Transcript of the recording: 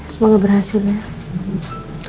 semoga berhasil ya